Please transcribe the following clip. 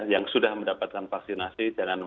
yang sudah mendapatkan vaksinasi jangan